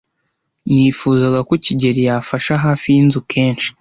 Nifuzaga ko kigeli yafasha hafi yinzu kenshi.